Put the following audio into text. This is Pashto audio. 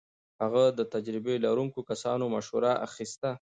هغه د تجربه لرونکو کسانو مشوره اخيسته.